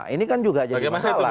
ini kan juga jadi masalah